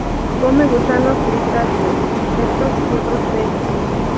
Come gusanos, crustáceos, insectos y otros peces.